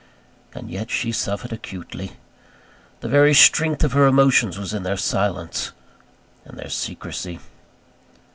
And yet she suffered acutely. The very strength of her emotions was in their silence and their secresy.